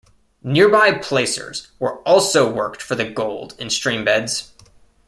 Nearby placers were also worked for the gold in stream beds.